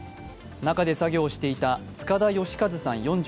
中で作業をしていた塚田吉和さん